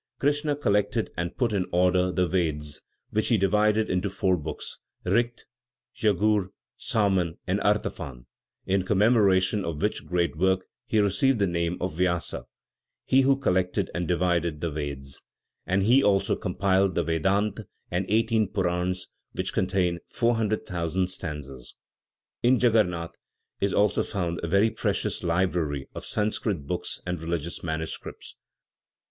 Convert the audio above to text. Krishna collected and put in order the Vedas, which he divided into four books Richt, Jagour, Saman and Artafan; in commemoration of which great work he received the name of Vyasa (he who collected and divided the Vedas), and he also compiled the Vedanta and eighteen Puranas, which contain 400,000 stanzas. In Djagguernat is also found a very precious library of Sanscrit books and religious manuscripts.